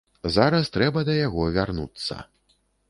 Зараз трэба да яго вярнуцца.